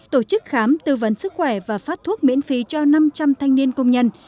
tổ chức khám tư vấn sức khỏe và phát thuốc miễn phí cho năm trăm linh thanh niên công nhân